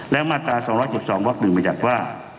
และมาตรา๒๗๒วักหนึ่งมันยักษ์ว่า